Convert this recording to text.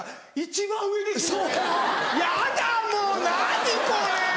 ヤダもう何これ！